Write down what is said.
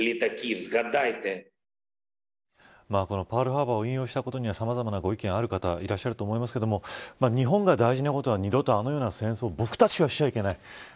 パールハーバーを引用した言葉には、さまざまなご意見がある方がいるかと思いますが日本が大事なことは二度とあのような戦争をしてはいけない。